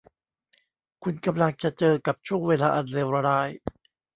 คุณกำลังจะเจอกับช่วงเวลาอันเลวร้าย